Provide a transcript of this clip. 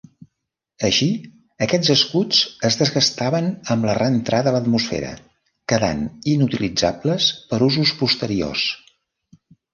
Així, aquests escuts es desgastaven amb la reentrada a l'atmosfera, quedant inutilitzables per usos posteriors.